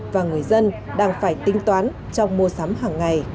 và người dân đang phải tính toán trong mua sắm hàng ngày